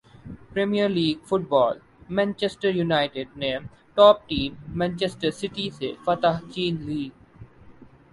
premier league football Manchester United نے top team Manchester City سے فتح چھین لی